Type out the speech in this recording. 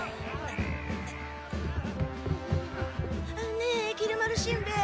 ねえきり丸しんべヱ。